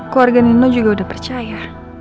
keluarga nino juga udah percaya